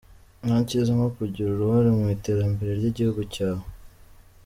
Nta cyiza nko kugira uruhare mu iterambere ry’igihugu cyawe.